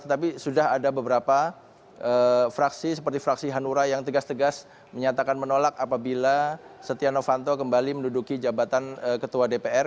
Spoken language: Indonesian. tapi sudah ada beberapa fraksi seperti fraksi hanura yang tegas tegas menyatakan menolak apabila setia novanto kembali menduduki jabatan ketua dpr